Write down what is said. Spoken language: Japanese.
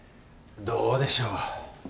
どうでしょう。